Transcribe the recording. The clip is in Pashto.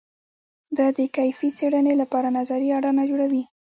دا د کیفي څېړنې لپاره نظري اډانه جوړوي.